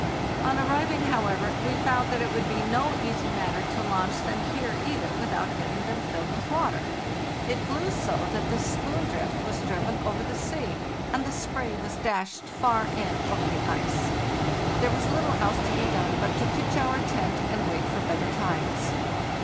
On arriving, however, we found that it would be no easy matter to launch them here either without getting them filled with water. It blew so that 374 FARTHEST NORTH the spoondrift was driven over the sea, and the spray was dashed far in over the ice. There was little else to be done but to pitch our tent and wait for better times.